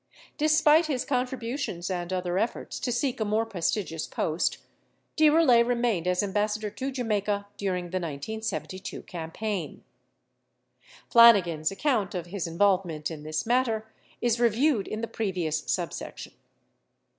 Despite his contributions and other efforts to seek a more pres tigious post, De Roulet remained as Ambassador to Jamaica during the 1972 campaign. Flanigan's account of his involvement in this matter is reviewed in the previous subsection.